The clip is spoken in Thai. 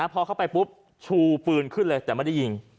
พอเข้าไปปุ๊บชูปืนขึ้นเลยแต่ไม่ได้ยิง